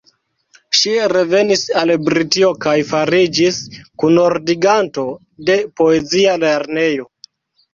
Ŝi revenis al Britio kaj fariĝis kunordiganto de Poezia Lernejo.